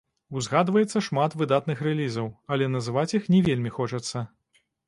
Узгадваецца шмат выдатных рэлізаў, але называць іх не вельмі хочацца.